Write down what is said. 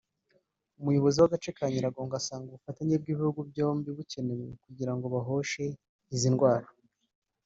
umuyobozi w’agace ka Nyiragongo asanga ubufatanye bw’ibihugu byombi bukenewe kugira ngo bahoshe izi ndwara